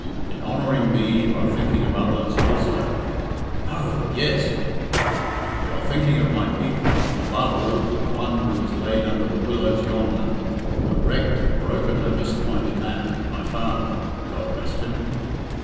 In honouring me you are thinking of others also ['No,' 'Yes'); you are thinking of my people above all, of one who was laid under the willows yonder, a wrecked, a broken, a disappointed man my father, God rest him!